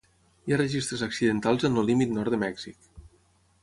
Hi ha registres accidentals en el límit nord de Mèxic.